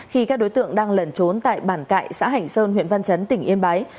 khi các đối tượng đang lẩn trốn tại bản cại xã hành sơn huyện văn chấn tỉnh yên bái